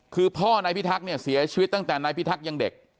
คือพ่อนายพิทักษ์เนี่ยเสียชีวิตตั้งแต่นายพิทักษ์ยังเด็ก